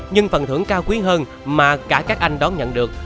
nhưng phần thưởng cao quý hơn mà cả các anh đón nhận được